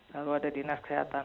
lalu ada dinas kesehatan